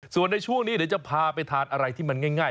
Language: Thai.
ส่วนในช่วงนี้เดี๋ยวจะพาไปทานอะไรที่มันง่าย